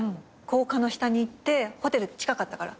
高架の下に行ってホテル近かったから。